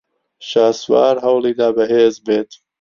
شاسوار ھەوڵی دا بەھێز بێت.